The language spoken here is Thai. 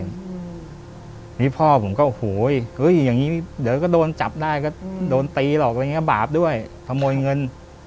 อันนี้พ่อผมก็โหยอย่างนี้เดี๋ยวก็โดนจับได้ก็โดนตีหรอกบาปด้วยถโมยเงิน